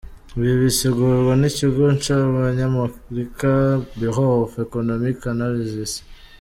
Ibi bisigurwa n'ikigo c'abany'Amerika 'Bureau of Economic Analysis'.